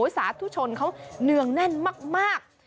สาธุชนเขาเนืองแน่นมาก